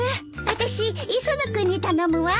あたし磯野君に頼むわ。